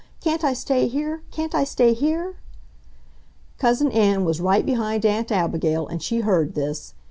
Can't I stay here? Can't I stay here?" Cousin Ann was right behind Aunt Abigail, and she heard this.